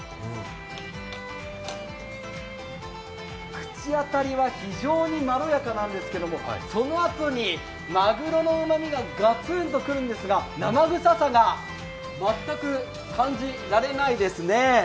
口当たりは非常にまろやかなんですけれども、そのあとにまぐろのうまみがガツンと来るんですが、生臭さが全く感じられないですね。